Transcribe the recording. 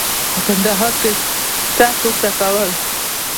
په کندهار کې پشه پورته کول.